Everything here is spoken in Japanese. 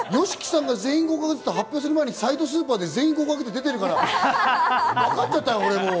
ＹＯＳＨＩＫＩさんが全員合格ですと発表する前にサイドスーパーで全員合格って出てるから、わかっちゃったよ。